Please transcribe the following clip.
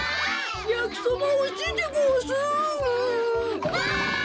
やきそばおいしいでごわす。わい！